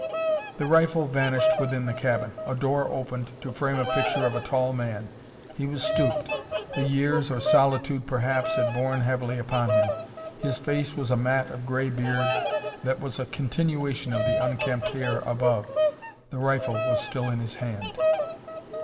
The rifle vanished within the cabin; a door opened to frame a picture of a tall man. He was stooped; the years, or solitude, perhaps, had borne heavily upon him; his face was a mat of gray beard that was a continuation of the unkempt hair above. The rifle was still in his hand.